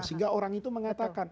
sehingga orang itu mengatakan